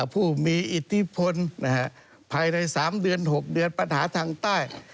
ผู้มีอิทธิพลภายใน๓เดือน๖เดือนปัญหาทางใต้